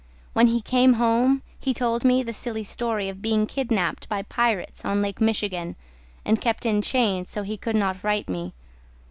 When he came home he told me the silly story Of being kidnapped by pirates on Lake Michigan And kept in chains so he could not write me.